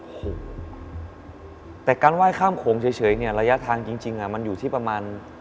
โอ้โหแต่การไหว้ข้ามโขงเฉยเนี่ยระยะทางจริงมันอยู่ที่ประมาณ